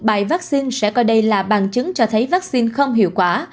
bài vaccine sẽ coi đây là bằng chứng cho thấy vaccine không hiệu quả